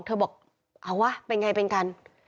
เธอบอกเอาวะเป็นไงเป็นกัน